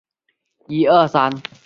邢岫烟来大观园时也住于此。